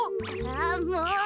あもう！